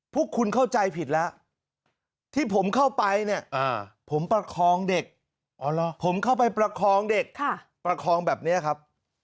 พวกคุณเข้าใจผิดแล้วที่ผมเข้าไปเนี่ยผมประคองเด็กผมเข้าไปประคองเด็กประคองแบบนี้ครับ